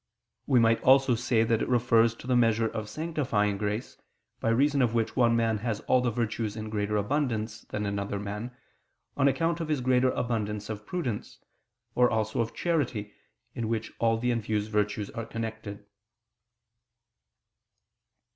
We might also say that it refers to the measure of sanctifying grace, by reason of which one man has all the virtues in greater abundance than another man, on account of his greater abundance of prudence, or also of charity, in which all the infused virtues are connected.